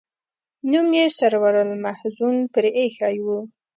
نوم یې سرور المحزون پر ایښی و.